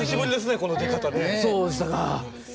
この出方ね。